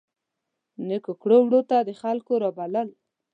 نیکو کړو وړو ته د خلکو رابلل.